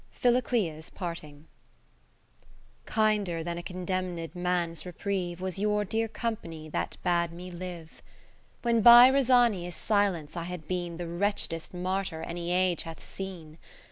Philoclea's parting Kinder than a condemned man's reprieve, Was your dear company that bad nie live. ( 54^ ) When by Rosania's silence I had been The wretched'st martyr any age hath seen.